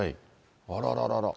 あらららら。